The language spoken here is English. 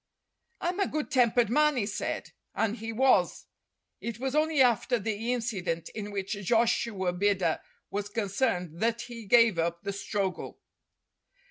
"I'm a good tempered man," he said. And he was. It was only after the incident in which Joshua Bidder was concerned that he gave up the struggle.